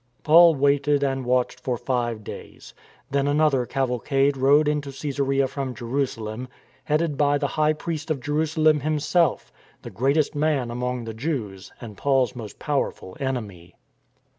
Paul waited and watched for five days. Then an other cavalcade rode into Csesarea from Jerusalem, headed by the high priest of Jerusalem himself, the greatest man among the Jews and Paul's most power ful enemy.